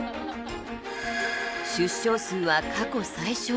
出生数は過去最少。